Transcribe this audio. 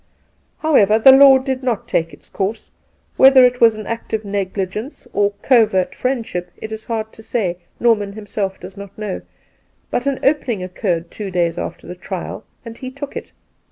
However, the law did not^ke its course — whether it was an act of negligence or covert friendship it is hard to say — Norman himself does not know; but an opening occurred two days after the trial, and he took it.